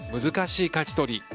難しいかじ取り。